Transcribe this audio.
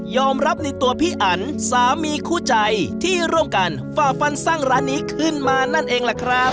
รับในตัวพี่อันสามีคู่ใจที่ร่วมกันฝ่าฟันสร้างร้านนี้ขึ้นมานั่นเองล่ะครับ